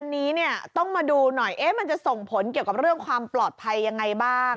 อันนี้เนี่ยต้องมาดูหน่อยมันจะส่งผลเกี่ยวกับเรื่องความปลอดภัยยังไงบ้าง